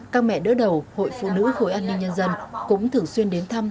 các mẹ đỡ đầu hội phụ nữ khối an ninh nhân dân cũng thường xuyên đến thăm